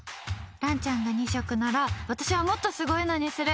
蘭ちゃんが２色なら私はもっとすごいのにする！